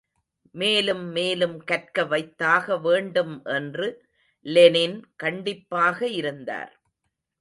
மேலும் மேலும் கற்க வைத்தாக வேண்டும் என்று லெனின் கண்டிப்பாக இருந்தார்.